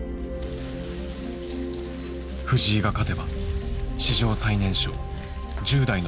藤井が勝てば史上最年少１０代の四冠が誕生する。